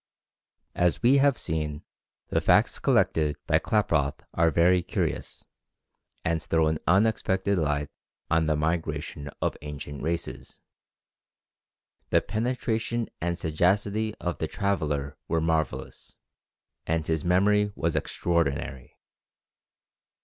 As we have seen, the facts collected by Klaproth are very curious, and throw an unexpected light on the migration of ancient races. The penetration and sagacity of the traveller were marvellous, and his memory was extraordinary.